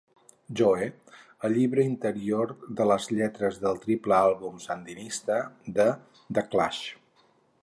Joe" al llibret interior amb les lletres del triple àlbum "Sandinista!" de The Clash.